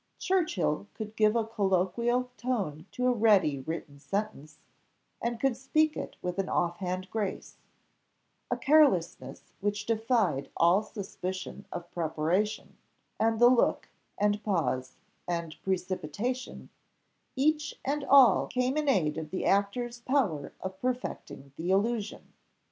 Churchill could give a colloquial tone to a ready written sentence, and could speak it with an off hand grace, a carelessness which defied all suspicion of preparation; and the look, and pause, and precipitation each and all came in aid of the actor's power of perfecting the illusion.